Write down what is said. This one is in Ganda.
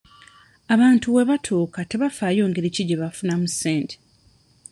Abantu we baatuuka tebafaayo ngeri ki gye bafunamu ssente.